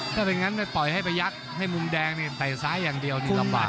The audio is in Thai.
ถ้าเป็นนั้นก็ปล่อยให้ไปยักษ์ให้มุมแดงไปซ้ายอย่างเดียวนี่ลำบาก